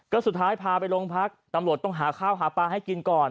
ก็สุดท้ายพาไปโรงพักตำรวจต้องหาข้าวหาปลาให้กินก่อน